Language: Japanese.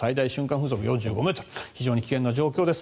風速４５メートルと非常に危険な状況です。